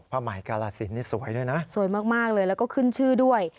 หมายกาลสินนี่สวยด้วยนะสวยมากเลยแล้วก็ขึ้นชื่อด้วย